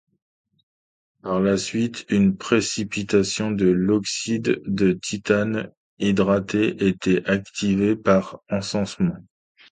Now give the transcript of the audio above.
Par la suite une précipitation de l'oxyde de titane hydraté était activée par ensemencement.